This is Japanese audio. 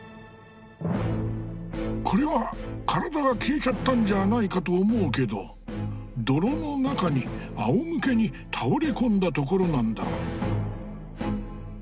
これは体が消えちゃったんじゃないかと思うけど泥の中にあおむけに倒れ込んだところなんだ。